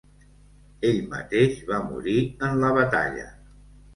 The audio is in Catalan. Ell mateix va morir en la batalla.